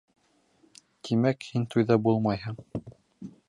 Тимәк, һин туйҙа булмайһың.